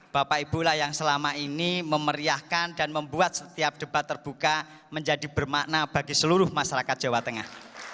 bapak ibulah yang selama ini memeriahkan dan membuat setiap debat terbuka menjadi bermakna bagi seluruh masyarakat jawa tengah